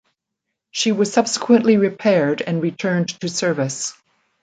She was subsequently repaired and returned to service.